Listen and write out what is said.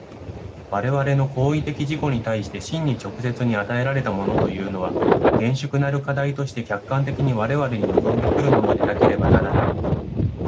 我々の行為的自己に対して真に直接に与えられたものというのは、厳粛なる課題として客観的に我々に臨んで来るものでなければならない。